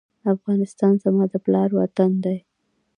افغانستان زما د پلار وطن دی؟